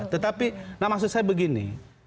tetapi maksud saya begini